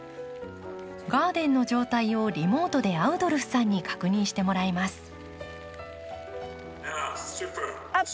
ガーデンの状態をリモートでアウドルフさんに確認してもらいます。